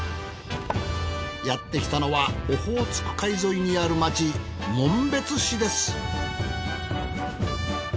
やってきたのはオホーツク海沿いにある町紋別市です。